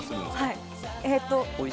はい。